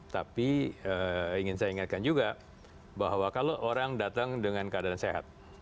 tapi ingin saya ingatkan juga bahwa kalau orang datang dengan keadaan sehat